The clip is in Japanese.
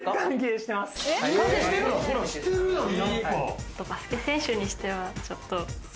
バスケ選手にしてはちょっと。